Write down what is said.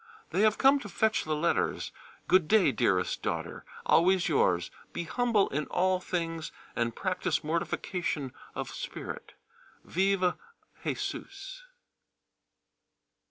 They have come to fetch the letters. Good day, dearest daughter. Always yours. Be humble in all things, and practice mortification of spirit. Vive Jésus.